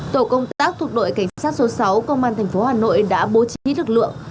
tổ công tác thuộc đội cảnh sát số sáu công an thành phố hà nội đã bố trí thức lượng